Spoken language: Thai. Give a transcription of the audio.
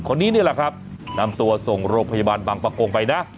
คนนี้นี่แหละครับนำตัวส่งโรงพยาบาลบางประกงไปนะ